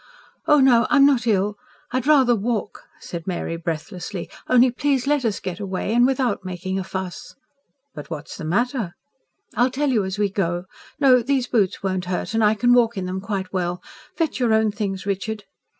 "No, no, I'm not ill, I'd rather walk," said Mary breathlessly. "Only please let us get away. And without making a fuss." "But what's the matter?" "I'll tell you as we go. No, these boots won't hurt. And I can walk in them quite well. Fetch your own things, Richard."